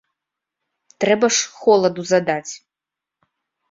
Трэба ж холаду задаць.